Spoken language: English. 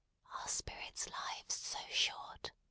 "Are spirits' lives so short?"